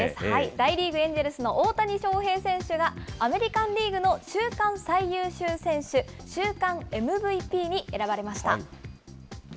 大リーグ・エンジェルスの大谷翔平選手が、アメリカンリーグの週間最優秀選手、週間ＭＶＰに選ばれました。